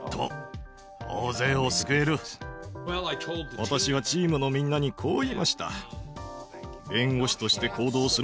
私はチームのみんなにこう言いました。